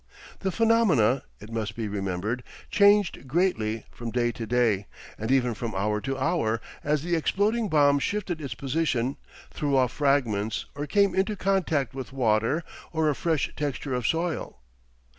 The phenomena, it must be remembered, changed greatly from day to day, and even from hour to hour, as the exploding bomb shifted its position, threw off fragments or came into contact with water or a fresh texture of soil.